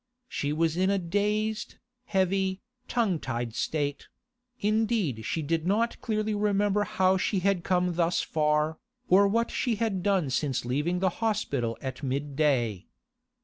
She was in a dazed, heavy, tongue tied state; indeed she did not clearly remember how she had come thus far, or what she had done since leaving the hospital at midday.